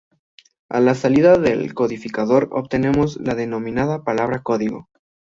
A la salida del codificador obtenemos la denominada palabra código.